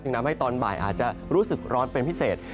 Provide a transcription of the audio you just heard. ทำให้ตอนบ่ายอาจจะรู้สึกร้อนเป็นพิเศษ